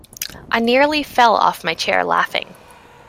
I nearly fell off my chair laughing